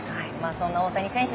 そんな大谷選手